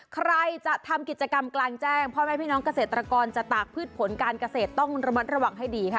ใครจะทำกิจกรรมกลางแจ้งพ่อแม่พี่น้องเกษตรกรจะตากพืชผลการเกษตรต้องระมัดระวังให้ดีค่ะ